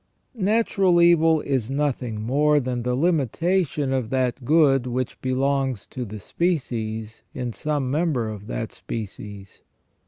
Natural evil is nothing more than the limitation of that good which belongs to the species in some member of that species.